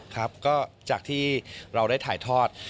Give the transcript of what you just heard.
ครับก็จากที่เราได้ถ่ายทอด